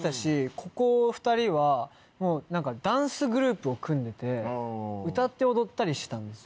ここ２人はダンスグループを組んでて歌って踊ったりしてたんですよ。